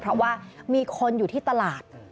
เพราะว่ามีคนอยู่ที่ตลาด